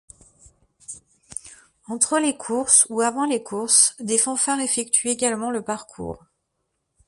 Entre les courses ou avant les courses, des fanfares effectuent également le parcours.